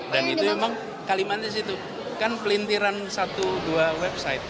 dan itu memang kalimatis itu kan pelintiran satu dua website itu